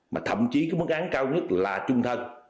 mà thậm chí cái mức án cao nhất là trung thân